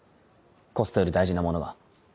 コストより大事なものが。